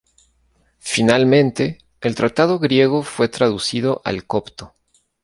Finalmente, el tratado griego fue traducido al copto.